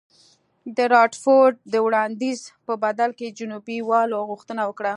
د رادرفورډ د وړاندیز په بدل کې جنوبي والو غوښتنه وکړه.